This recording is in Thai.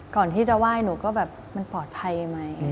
ก่อนที่จะไหว้หนูก็แบบมันปลอดภัยไหม